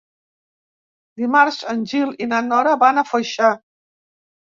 Dimarts en Gil i na Nora van a Foixà.